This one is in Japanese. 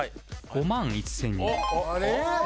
５万１０００。